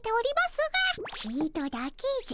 ちとだけじゃ。